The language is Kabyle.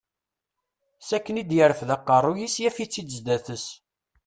S akken i d-yerfed aqerruy-is yaf-itt-id sdat-s.